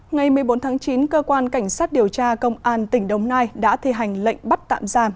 ngày một mươi bốn tháng chín cơ quan cảnh sát điều tra công an tỉnh đồng nai đã thi hành lệnh bắt tạm giam